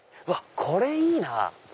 これいいなぁ。